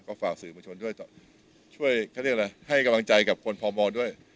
ฝากสื่อมาชนช่วยเขาเรียกอะไรให้กำลังใจกับคนพมด้วย